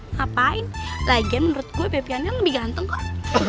ngapain lagian menurut gue bebi yan yan lebih ganteng kok